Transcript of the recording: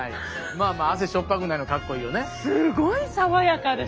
まあまあ汗塩っぱくないのかっこいいよね。